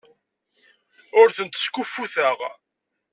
Ur tent-skuffuteɣ.